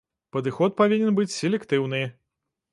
Падыход павінен быць селектыўны.